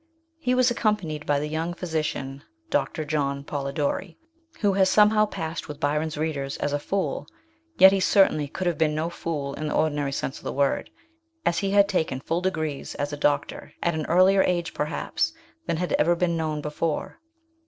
He was accompanied by the young physician, Dr. John Polidori, who has somehow passed with Byron's readers as a fool ; yet he certainly could have been no fool in the ordinary sense of the word, as he had taken full degrees as a doctor at an earlier age perhaps than had ever been known before.